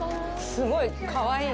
すごいかわいい！